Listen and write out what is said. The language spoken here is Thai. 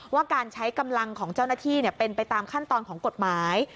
ว่าการใช้กำลังของเจ้าหน้าที่เป็นไปตามขั้นตอนของกฎหมาย